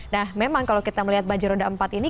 nah memang kalau kita melihat bajai roda empat ini